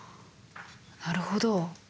なるほど。